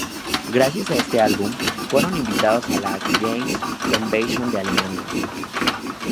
Gracias a este álbum, fueron invitados a la Games Convention de Alemania.